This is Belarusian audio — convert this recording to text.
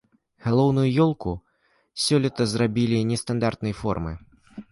Галоўную ёлку сёлета зрабілі нестандартнай формы.